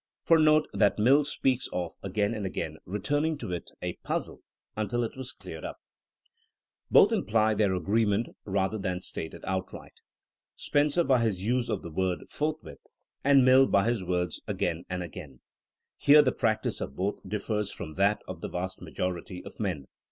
For note that Mill speaks of again and again returning to it [a puzzle] until it was cleared up/' Both imply their agreement' rather than state it outright; Spencer by his use of the word forthwith*' and Mill by his words ^^ again and again. *' Here the practice of both differs from that of the vast majority of men.